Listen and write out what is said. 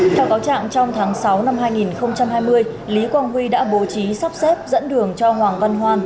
theo cáo trạng trong tháng sáu năm hai nghìn hai mươi lý quang huy đã bố trí sắp xếp dẫn đường cho hoàng văn hoan